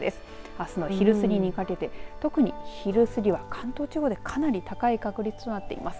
あすの昼過ぎにかけて特に昼過ぎは関東地方でかなり高い確率となっています。